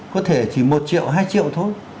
có thể chỉ một triệu hai triệu thôi